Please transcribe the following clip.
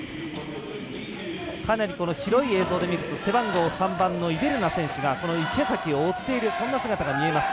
かなり広い映像で見ると背番号３番のイベルナ選手が池崎を追っているそんな姿が見えます。